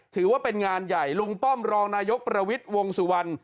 ถือว่าเป็นงานใหญ่ลุงป้อมรองนายกประวิทย์วงสุวรรณ